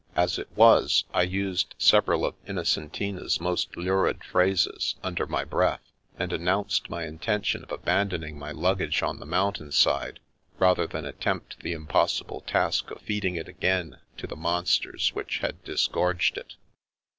As it was, I used several of Innocen tina's most lurid phrases, under my breath, and announced my intention of abandoning my lug gage on the mountain side, rather than attempt the impossible task of feeding it again to the monsters which had disgorged it.